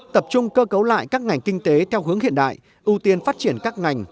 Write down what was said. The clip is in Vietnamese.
tập trung cơ cấu lại các ngành kinh tế theo hướng hiện đại ưu tiên phát triển các ngành